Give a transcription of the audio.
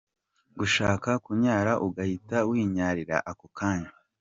Gushaka kunyara ugahita winyarira ako kanya.